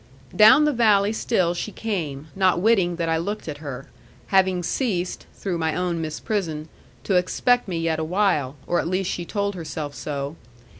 Down the valley still she came, not witting that I looked at her, having ceased (through my own misprison) to expect me yet awhile; or at least she told herself so.